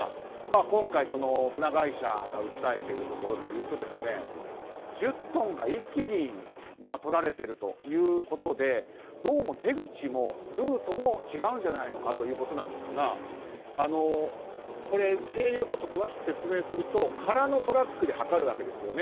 今回、船会社が訴えているところでいうと１０トンが一気にとられているということでどうも手口もルートも違うんじゃないのかということですが計量を詳しく説明すると空のトラックで量るわけですよね。